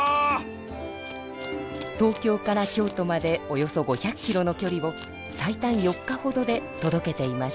東京から京都までおよそ５００キロのきょりを最短４日ほどでとどけていました。